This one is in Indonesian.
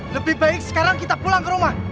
lebih baik sekarang kita pulang ke rumah